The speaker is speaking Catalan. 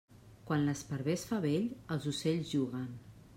Quan l'esparver es fa vell, els ocells juguen.